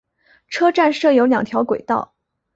车站设有两条轨道。